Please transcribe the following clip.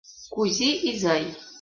Кузи изай!